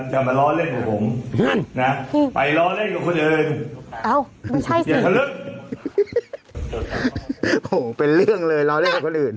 โฮเป็นเรื่องเลยเราได้กับคนอื่น